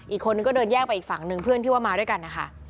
อีกคนนึงก็เดินแยกไปอีกฝั่งหนึ่งเพื่อนที่ว่ามาด้วยกันนะคะ